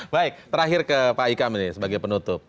baik terakhir ke pak ika sebagai penutup